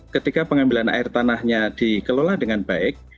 ketika pengambilan air tanahnya dikelola dengan baik